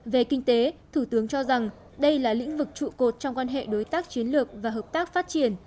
về kinh tế thủ tướng cho rằng đây là lĩnh vực trụ cột trong quan hệ đối tác chiến lược và hợp tác phát triển